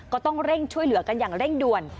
ก็ต้องเร่งช่วยเหลือกันอย่างเร่งด่วน